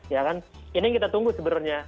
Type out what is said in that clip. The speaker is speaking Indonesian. ya kan ini yang kita tunggu sebenarnya